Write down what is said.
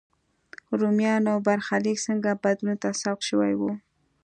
رومیانو برخلیک څنګه بدلون ته سوق شوی و.